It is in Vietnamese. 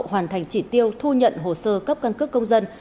hoàn thành chỉ tiêu thu nhận hồ sơ cấp căn cước công dân